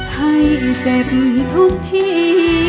ให้เจ็บทุกที